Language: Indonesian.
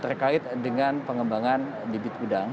terkait dengan pengembangan bibit udang